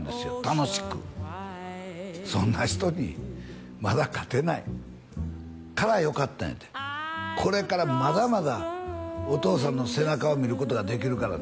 楽しくそんな人にまだ勝てないから良かったんやてこれからまだまだお父さんの背中を見ることができるからね